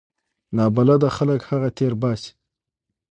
نابلده خلک هغه تیر باسي.